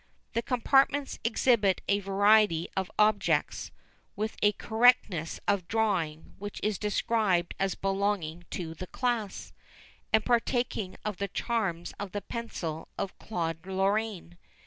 The compartments exhibit a variety of objects, with a correctness of drawing which is described as belonging to the class, and partaking of the charms of the pencil of Claude Lorraine.